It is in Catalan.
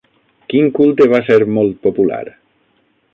Quin culte va ser molt popular?